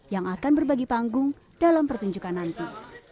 yang akan berbagi panggung dalam pertunjukan nanti